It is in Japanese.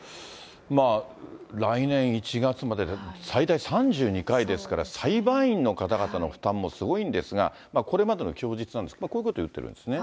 来年１月までで、最大３２回ですから、裁判員の方々の負担もすごいんですが、これまでの供述なんですが、こういうことを言ってるんですね。